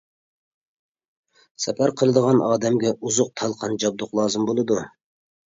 سەپەر قىلىدىغان ئادەمگە ئوزۇق، تالقان، جابدۇق لازىم بولىدۇ.